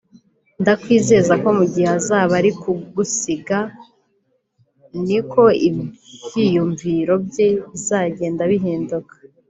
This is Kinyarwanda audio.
ndakwizeza ko mu gihe azaba ari kugusiga niko ibyiyumviro bye bizagenda bihinduka